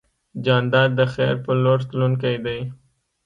جانداد د خیر په لور تلونکی دی.